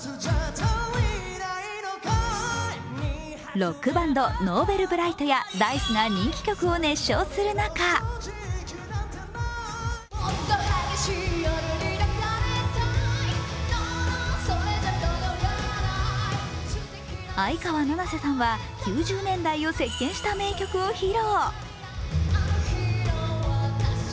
ロックバンド、ＮｏｖｅｌｂｒｉｇｈｔやＤａ−ｉＣＥが人気曲を熱唱する中相川七瀬さんは９０年代を席けんした名曲を披露。